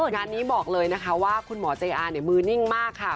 งานนี้บอกเลยนะคะว่าคุณหมอใจอาเนี่ยมือนิ่งมากค่ะ